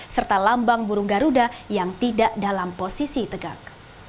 serta lambang burung garuda yang tidak dalam posisi tegak